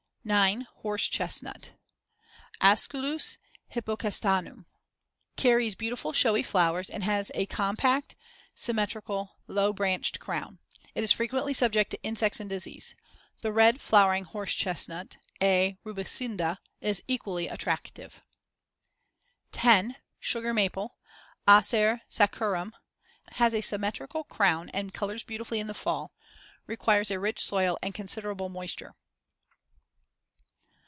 9. Horsechestnut (Aesculus hippocastanum) Carries beautiful, showy flowers, and has a compact, symmetrical low branched crown; is frequently subject to insects and disease. The red flowering horsechestnut (A. rubicunda) is equally attractive. [Illustration: FIG. 92. A Lawn Tree. European Weeping Beech.] 10. Sugar maple (Acer saccharum) Has a symmetrical crown and colors beautifully in the fall; requires a rich soil and considerable moisture.